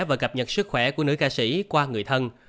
và cập nhật sức khỏe của nữ ca sĩ qua người thân